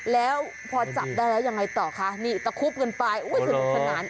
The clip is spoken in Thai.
แล้วพอจับได้แล้วยังไงต่อคะนี่ตะคุบกันไปสนุกสนาน